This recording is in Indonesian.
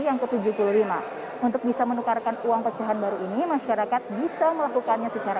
yang ke tujuh puluh lima untuk bisa menukarkan uang pecahan baru ini masyarakat bisa melakukannya secara